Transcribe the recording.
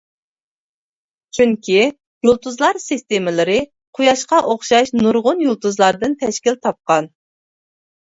چۈنكى، يۇلتۇزلار سىستېمىلىرى قۇياشقا ئوخشاش نۇرغۇن يۇلتۇزلاردىن تەشكىل تاپقان.